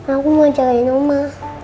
aku mau jagain oma